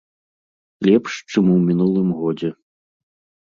Лепш, чым у мінулым годзе.